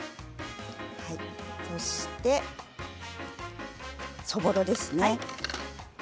そして、そぼろですね。